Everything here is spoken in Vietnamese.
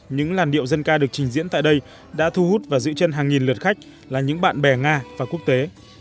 những làn điệu dân ca được trình diễn tại đây đã thu hút và giữ chân hàng nghìn lượt khách là những bạn bè nga và quốc tế